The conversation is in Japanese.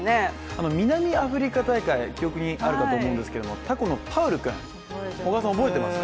南アフリカ大会、記憶にあるかと思うんですけれども、タコのパウル君、小川さん、覚えてます？